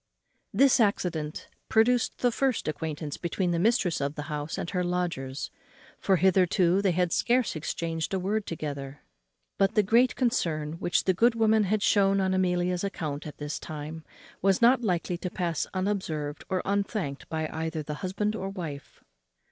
This accident produced the first acquaintance between the mistress of the house and her lodgers; for hitherto they had scarce exchanged a word together. But the great concern which the good woman had shewn on Amelia's account at this time, was not likely to pass unobserved or unthanked either by the husband or wife.